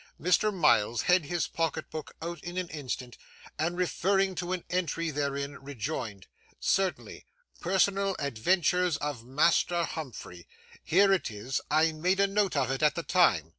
Mr. Miles had his pocket book out in an instant, and referring to an entry therein, rejoined, 'Certainly. Personal Adventures of Master Humphrey. Here it is. I made a note of it at the time.